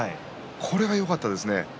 それがよかったですね。